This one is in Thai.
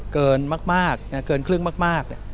เกินมากเกินครึ่งมาก